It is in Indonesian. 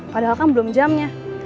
padahal kan belum jamnya